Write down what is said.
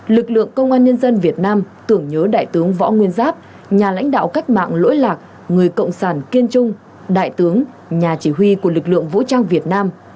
lực lượng công an nhân dân việt nam tưởng nhớ đại tướng võ nguyên giáp nhà lãnh đạo cách mạng lỗi lạc người cộng sản kiên trung đại tướng nhà chỉ huy của lực lượng vũ trang việt nam